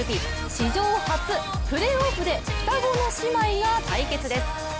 史上初、プレーオフで双子の姉妹が対決です。